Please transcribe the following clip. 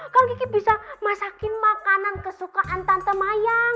kalau kiki bisa masakin makanan kesukaan tante mayang